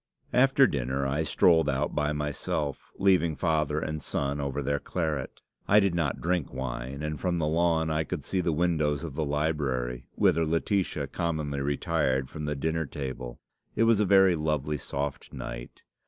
"After dinner I strolled out by myself, leaving father and son over their claret. I did not drink wine; and from the lawn I could see the windows of the library, whither Laetitia commonly retired from the dinner table. It was a very lovely soft night.